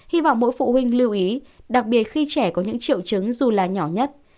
hy vọng mỗi phụ huynh lưu ý đặc biệt khi trẻ có những triệu chứng dù là nhỏ nhất